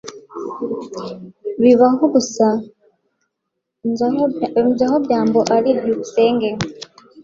Bibaho gusa nzi aho byambo ari. byukusenge